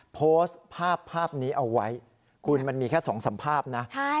โพสต์ภาพภาพนี้เอาไว้คุณมันมีแค่สองสัมภาพนะ